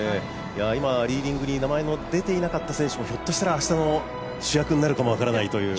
リーディングに名前の出ていなかった選手もひょっとしたら明日の主役になるかも分からないという。